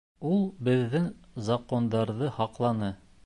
Ул беҙҙең Закондарҙы һаҡланы.